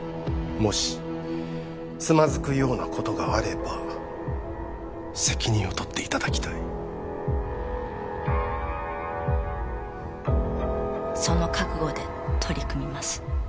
もしつまずくようなことがあれば責任を取っていただきたいその覚悟で取り組みます